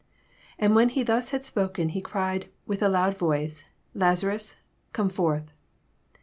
< 43 And when he thus had spoken, he cried with a loud voice, Lazarus, come forth.